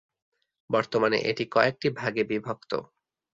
বর্তমানে এটি কয়েকটি ভাগে বিভক্ত।